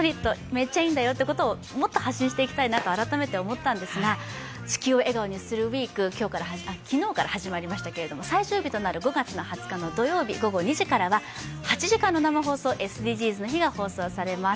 めっちゃいいんだよと、もっと発信していきたいなと改めて思ったんですが、「地球を笑顔にするＷＥＥＫ」、昨日から始まりましたけれども最終日となる５月２０日土曜日午後２時からは８時間の生放送、「ＳＤＧｓの日」が放送されます。